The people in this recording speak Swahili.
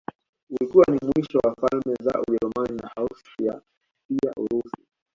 Ulikuwa ni mwisho wa falme za Ujerumani na Austria pia Urusi